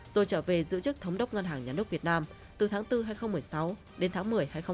rồi trở về giữ chức thống đốc ngân hàng nhân nước việt nam từ tháng bốn hai nghìn một mươi sáu đến tháng một mươi hai nghìn hai mươi